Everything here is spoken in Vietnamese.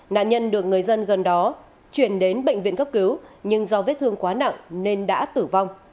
nạn nhân được người dân gần đó chuyển đến bệnh viện cấp cứu nhưng do vết thương quá nặng nên đã tử vong